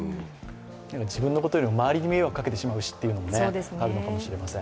自分のことよりも周りに迷惑をかけてしまうしということもあるのかもしれません。